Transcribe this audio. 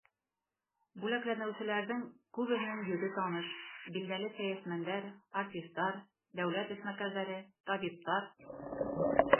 Бүләкләнеүселәрҙең күбеһенең йөҙө таныш — билдәле сәйәсмәндәр, артистар, дәүләт эшмәкәрҙәре, табиптар...